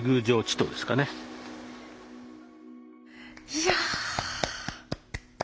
いや。